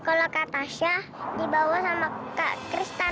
kalau kak tasya dibawa sama kak tristan